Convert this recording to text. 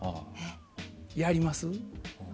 やります？